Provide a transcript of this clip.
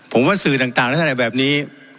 ผมว่าสื่อต่างและสื่อแบบนี้